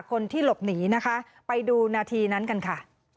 คนที่หลบหนีนะคะไปดูนาทีนั้นกันค่ะ